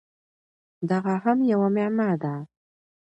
دغه هم یوه معما ده!